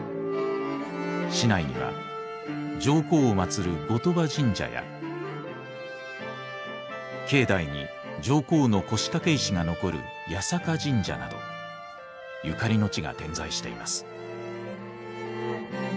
市内には上皇を祭る後鳥羽神社や境内に上皇の腰掛石が残る八坂神社などゆかりの地が点在しています。